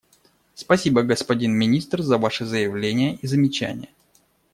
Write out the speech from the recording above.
Спасибо, господин Министр, за Ваше заявление и замечания.